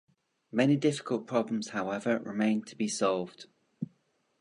Many difficult problems, however, remained to be solved.